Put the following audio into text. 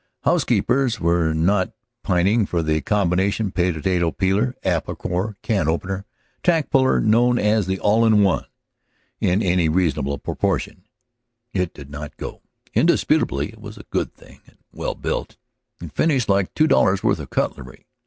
Housekeepers were not pining for the combination potato parer, apple corer, can opener, tack puller, known as the "All in One" in any reasonable proportion. It did not go. Indisputably it was a good thing, and well built, and finished like two dollars' worth of cutlery.